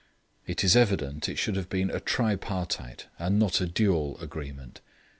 It is evident it should have been a tripartite, and not a dual, agreement.